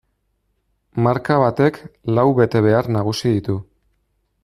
Marka batek lau betebehar nagusi ditu.